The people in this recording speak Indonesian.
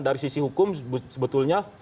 dari sisi hukum sebetulnya